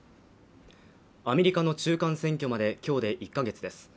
アメリカの中間選挙まできょうで１か月です